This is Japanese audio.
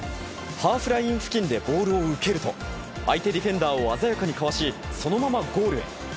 ハーフライン付近でボールを受けると、相手ディフェンダーを鮮やかにかわし、そのままゴールへ。